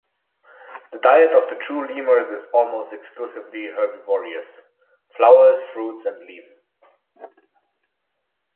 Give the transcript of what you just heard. The diet of the true lemurs is almost exclusively herbivorous: flowers, fruits and leaves.